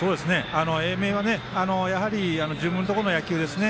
英明はやはり自分のところ野球ですね。